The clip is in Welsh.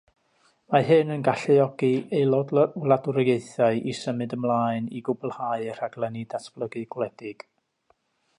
Mae hyn yn galluogi Aelod-wladwriaethau i symud ymlaen i gwblhau eu rhaglenni datblygu gwledig.